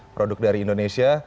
produk dari indonesia